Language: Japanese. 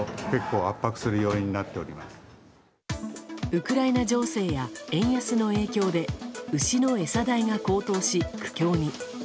ウクライナ情勢や円安の影響で牛の餌代が高騰し、苦境に。